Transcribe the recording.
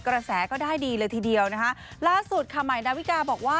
กระแสก็ได้ดีเลยทีเดียวนะคะล่าสุดค่ะใหม่ดาวิกาบอกว่า